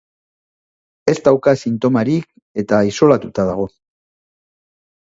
Ez dauka sintomarik eta isolatuta dago.